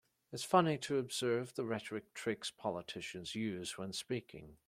It's funny to observe the rhetoric tricks politicians use when speaking.